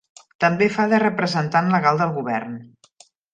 També fa de representant legal del govern.